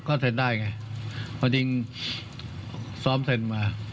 ก็เซ็นด์ได้ไงจริงซ้อมเซ็นด์มา